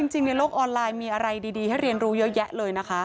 ในโลกออนไลน์มีอะไรดีให้เรียนรู้เยอะแยะเลยนะคะ